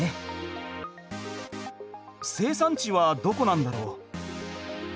生産地はどこなんだろう。